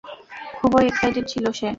খুবই এক্সাইটেড ছিল সে।